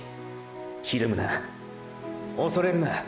ひるむな恐れるな。